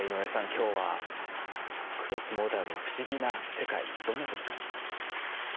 今日はクロスモーダルの不思議な世界どんなふうに感じました？